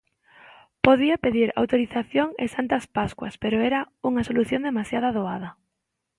Podía pedir autorización e santas pascuas, pero era unha solución demasiado doada.